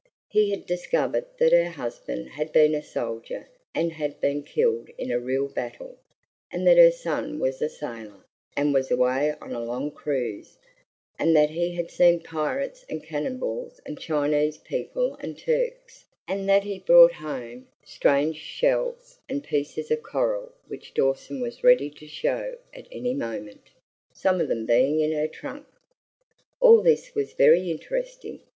He had discovered that her husband had been a soldier and had been killed in a real battle, and that her son was a sailor, and was away on a long cruise, and that he had seen pirates and cannibals and Chinese people and Turks, and that he brought home strange shells and pieces of coral which Dawson was ready to show at any moment, some of them being in her trunk. All this was very interesting.